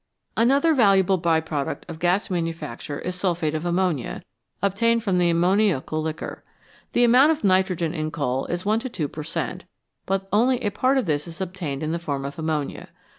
Another valuable by product of gas manufacture is sulphate of ammonia, obtained from the ammoniacal liquor. The amount of nitrogen in coal is 1 to 2 per cent., but only a part of this is obtained in the form of ammonia.